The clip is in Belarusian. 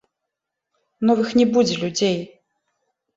Новых не будзе людзей.